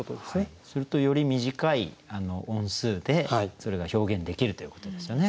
するとより短い音数でそれが表現できるということですよね。